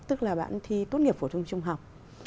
tức là bạn thi tốt nghiệp phổ thông trung học